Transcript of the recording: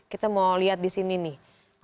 kita mau lihat di sini nih